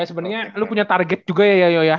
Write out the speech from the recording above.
ya sebenernya lu punya target juga ya yoyo ya